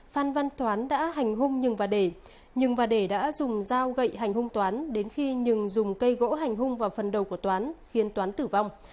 phan văn toán đã hành hung nhừng và để nhừng và để đã dùng dao gậy hành hung toán đến khi nhừng dùng cây gỗ hành hung vào phần đầu của toán khiến toán tử vong